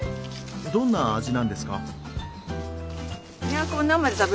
どんな味なんですか？